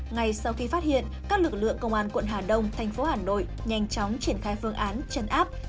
ngay sau khi phát hiện các lực lượng công an quận hà đông thành phố hà nội nhanh chóng triển khai phương án chân áp